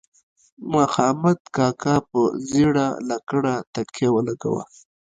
مخامد کاکا پر زیړه لکړه تکیه ولګوه.